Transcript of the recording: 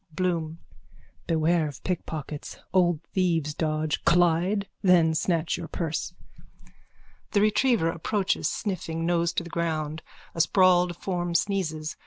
_ BLOOM: Beware of pickpockets. Old thieves' dodge. Collide. Then snatch your purse. _(The retriever approaches sniffing, nose to the ground. A sprawled form sneezes.